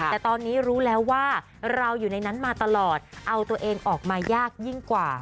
แต่ตอนนี้รู้แล้วว่าเราอยู่ในนั้นมาตลอดเอาตัวเองออกมายากยิ่งกว่า